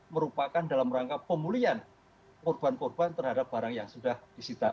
merupakan dalam rangka pemulihan korban korban terhadap barang yang sudah disita